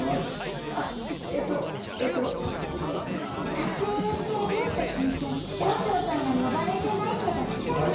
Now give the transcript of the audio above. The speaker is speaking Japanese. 撮影していると聞いて町長さんが呼ばれてないけど来ちゃった！